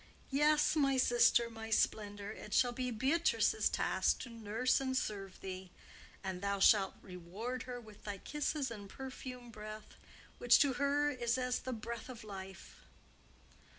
"Yes, my sister, my splendour, it shall be Beatrice's task to nurse and serve thee; and thou shalt reward her with thy kisses and perfumed breath, which to her is as the breath of life."